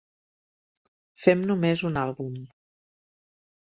Fem només un àlbum.